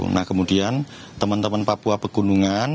nah kemudian teman teman papua pegunungan